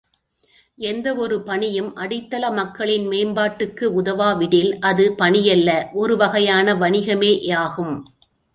எந்த ஒரு பணியும் அடித்தள மக்களின் மேம்பாட்டுக்கு உதவாவிடில் அது பணியல்ல ஒரு வகையான வணிகமேயாகும்.